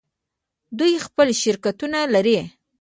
دوی خپل شرکتونه لري.